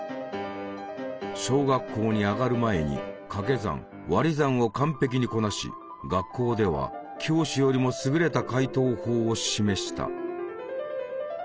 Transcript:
小学校にあがる前に掛け算割り算を完璧にこなし学校では教師よりも優れた解答法を示した。